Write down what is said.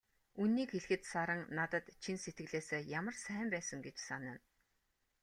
Үнэнийг хэлэхэд, Саран надад чин сэтгэлээсээ ямар сайн байсан гэж санана.